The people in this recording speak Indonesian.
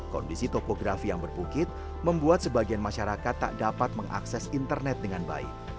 kondisi topografi yang berbukit membuat sebagian masyarakat tak dapat mengakses internet dengan baik